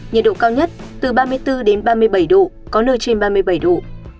nhiệt độ thêm nhất từ hai mươi năm hai mươi tám độ nhiệt độ cao nhất từ ba mươi bốn ba mươi bảy độ có nơi trên ba mươi bảy độ